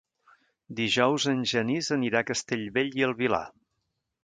Dijous en Genís anirà a Castellbell i el Vilar.